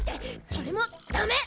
それもダメ！